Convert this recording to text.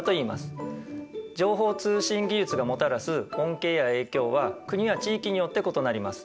情報通信技術がもたらす恩恵や影響は国や地域によって異なります。